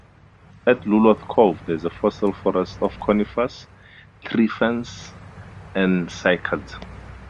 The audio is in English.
At Lulworth Cove there is a fossil forest of conifers, tree-ferns and cycads.